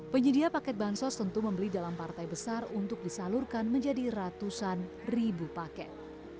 penyedia paket bansos tentu membeli dalam partai besar untuk disalurkan menjadi ratusan ribu paket